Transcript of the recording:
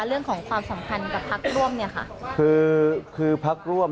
เรื่องของความสำคัญกับพักร่วม